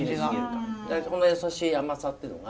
意外とこの優しい甘さっていうのが。